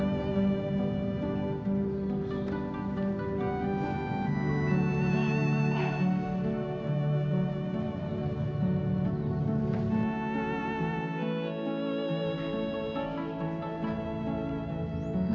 masya allah pak